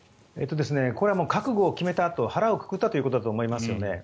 これは覚悟を決めたと腹をくくったということだと思いますよね。